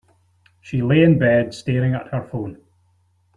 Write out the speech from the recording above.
She lay in bed, staring at her phone.